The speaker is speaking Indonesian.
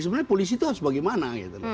sebenarnya polisi itu harus bagaimana